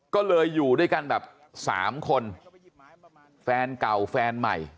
ก็เลยอยู่ด้วยกันแบบสามคนแฟนเก่าแฟนใหม่